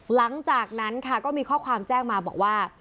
หลังจากนั้นค่ะก็มีข้อความแจ้งมาบอกว่า